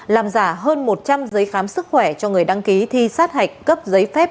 làm giả hơn một trăm linh giấy khám sức khỏe cho người đăng ký thi sát hạch cấp giấy phép